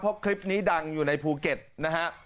เพราะคลิปนี้ดังอยู่ในภูเก็ตนะฮะ